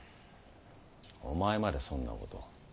お前までそんなことを。